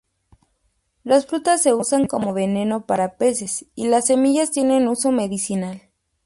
Las frutas se usan como veneno para peces y las semillas tienen uso medicinal.